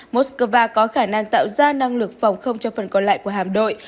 moskva có khả năng tạo ra năng lực phòng không cho phần còn lại của hạm đội